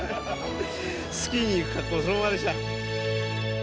スキーに行く格好そのままで来た。